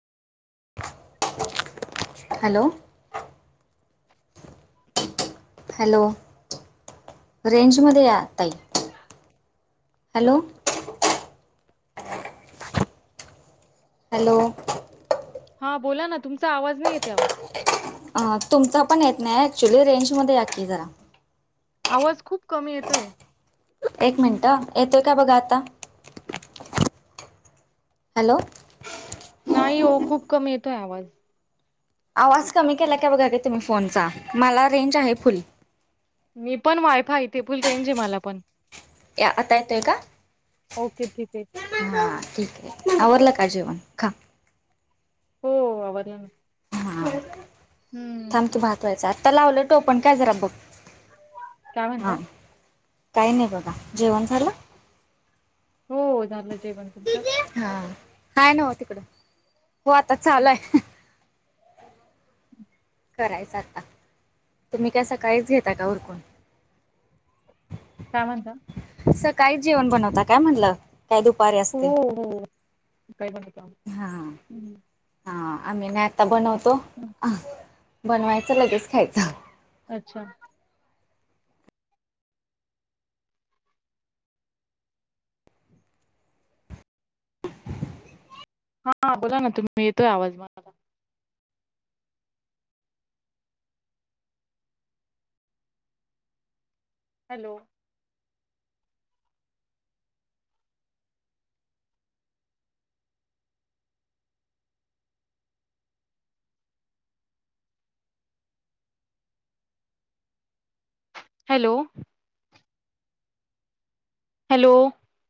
Hello hello range मध्ये या ताई हॅलो, हॅलो हा बोला ना तुमचा आवाज नाही येत अहो तुमचा पण येत नाही ऍक्च्युली रेंजमध्ये या की जरा आवाज खूप कमी येतोय एक मिनिट हं येतोय का बघा आता हॅलो नाही हो खूप कमी येतोय आवाज आवाज कमी केला काय बघा की तुम्ही फोनचा मला रेंज आहे फुल मी पण वायफाय इथे फुल रेंज आहे मला पण आता येतोय का ओके ठीक आहे हा ठीक आहे. आवरलं का जेवण खा. हो आवरल ना. हां थांब हम्म. कि भातव्हायचा आहे, आता लावल टोपण काय जरा बघ काय म्हणता हा. काय नाही बघा जेवण झालं. हो झालं जेवण तुमचं. हा आहे नव्ह तिकडं हो आता चालू हाय करायचं आता तुम्ही काय सकाळीच घेता का उरकून. काय म्हणता? सकाळी जेवण बनवता काय म्हणलं. काय दुपारी असते हो हो काय बनवतो हा.. आम्ही हा आम्ही नाही आता बनवतो बनवायचं लगेच खायचं. अच्छा हा बोला ना तुम्ही येतोय आवाज येतोय मला. Hello hello, hello,